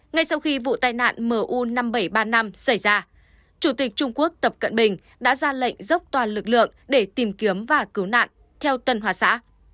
ngay sau khi vụ tai nạn mu năm nghìn bảy trăm ba mươi năm xảy ra chủ tịch trung quốc tập cận bình đã ra lệnh dốc toàn lực lượng để tìm kiếm và cứu nạn theo tân hòa xã